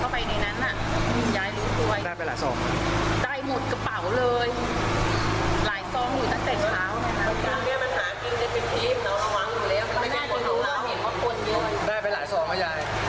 มาไม่สอนรู้เท่าไหร่ว่ามันจะตาย